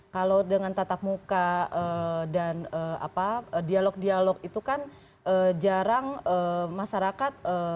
kalau dengan tatap muka dan dialog dialog itu kan jarang masyarakat